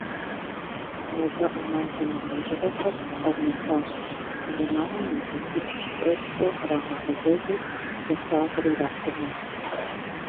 Нобэ Iэмал зэмылIэужьыгъуэхэр къэунэхуащ, зэманым илъэсипщI-тIощIкIэ кърагъэгъэзэжу, дахагъэр ирахъумэу.